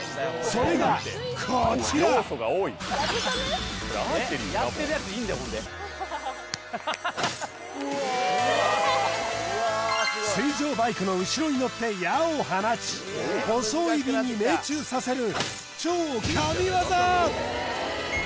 それがこちら水上バイクの後ろに乗って矢を放ち細い瓶に命中させる